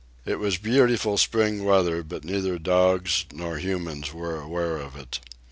It was beautiful spring weather, but neither dogs nor humans were aware of it.